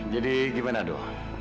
jadi gimana do